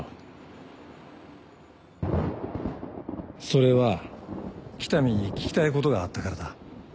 それは北見に聞きたいことがあったからだ。